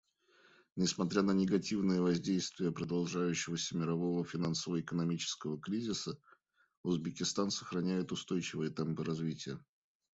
Несмотря на негативное воздействие продолжающегося мирового финансово-экономического кризиса, Узбекистан сохраняет устойчивые темпы развития.